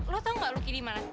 lu tahu nggak lu kini mana